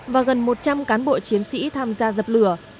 và gần một trăm linh cán bộ chiến sĩ tham gia dập lửa